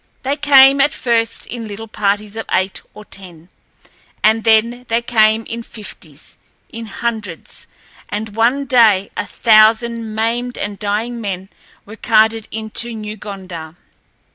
They came at first in little parties of eight or ten, and then they came in fifties, in hundreds, and one day a thousand maimed and dying men were carted into New Gondar.